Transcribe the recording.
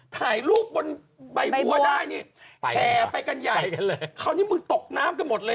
ถ่ายรูปบนใบบัวได้นี่แห่ไปกันใหญ่คราวนี้มึงตกน้ำกันหมดเลย